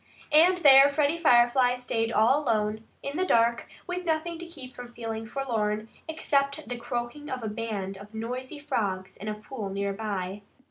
And there Freddie Firefly stayed all alone, in the dark, with nothing to keep from feeling forlorn except the croaking of a band of noisy frogs in a pool near by.